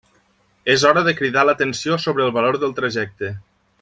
És hora de cridar l'atenció sobre el valor del trajecte.